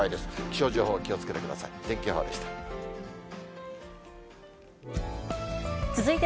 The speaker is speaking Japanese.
気象情報、気をつけてください。